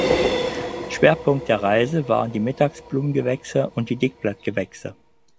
Schwerpunkt der Reise waren die Mittagsblumengewächse und die Dickblattgewächse.